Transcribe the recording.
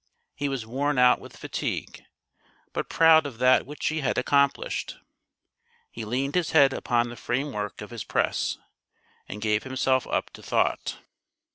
He was worn out with fatigue, but proud of that which he had accomplished. He leaned his head upon the frame work of his press, and gave himself up to thought.